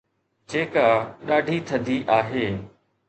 جيڪا ڏاڍي ٿڌي آهي